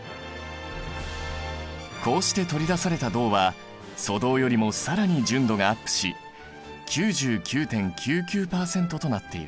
こうして取り出された銅は粗銅よりも更に純度がアップし９９．９９％となっている。